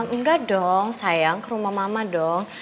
enggak dong sayang ke rumah mama dong